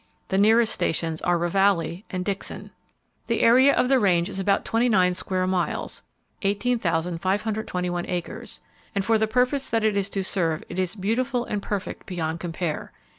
The nearest stations are Ravalli and Dixon. The area of the range is about twenty nine square miles (18,521 acres) and for the purpose that it is to serve it is beautiful and perfect beyond compare.